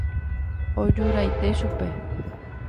Ojuraite chupe.